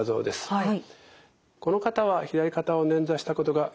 はい。